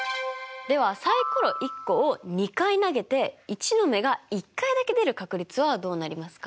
ではサイコロ１個を２回投げて１の目が１回だけ出る確率はどうなりますか？